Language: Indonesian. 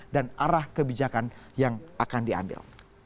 dan arah kebijakan yang akan diambil